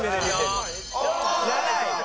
７位。